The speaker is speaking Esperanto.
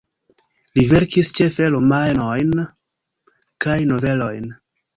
Li verkis ĉefe romanojn kaj novelojn.